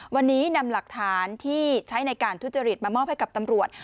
วันนี้นำหลักฐานที่ใช้ในการทุจริตมามอบให้กับตำรวจ